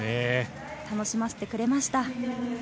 楽しませてくれました。